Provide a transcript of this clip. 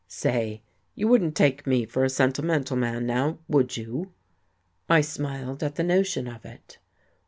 "Say, you wouldn't take me for a sentimental man, now, would you?" I smiled at the notion of it.